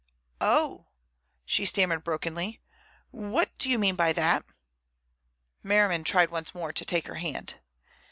"Oh!" she stammered brokenly, "what do you mean by that?" Merriman tried once more to take her hand.